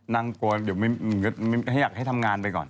นางก็เพราะอยากให้ทำงานไปก่อน